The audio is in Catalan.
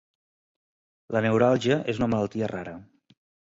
La neuràlgia és una malaltia rara.